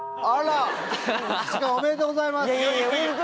あら。